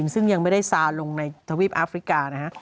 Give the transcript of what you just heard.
ซึ่งยังไม่ได้ซาลงในทวีปอาฟริกานะฮะ